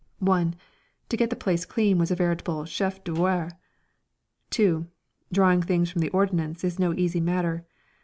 1. To get the place clean was a veritable chef d'oeuvre. 2. Drawing things from the Ordnance is no easy matter.